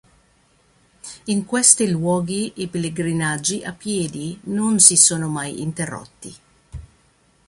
In questi luoghi i pellegrinaggi a piedi non si sono mai interrotti.